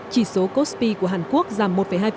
chỉ số kospi của hàn quốc giảm một hai